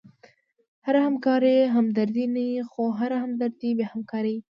هره همکاري همدردي نه يي؛ خو هره همدردي بیا همکاري يي.